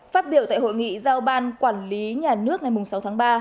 phát biểu tại hội nghị giao ban quản lý nhà nước ngày sáu tháng ba